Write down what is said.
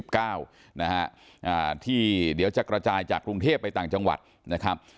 นะฮะอ่าที่เดี๋ยวจะกระจายจากกรุงเทพไปต่างจังหวัดนะครับ